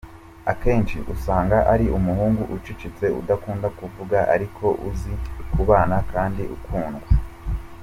Akenshi usanga ari umuhungu ucecetse, udakunda kuvuga ariko uzi kubana kandi ukundwa.